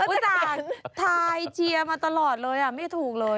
อุตส่าห์ทายเชียร์มาตลอดเลยไม่ถูกเลย